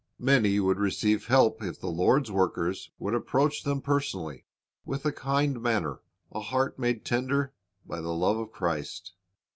Many would receive help if the Lord's workers would approach them personally, with a kind manner, a heart made tender by the love of Christ.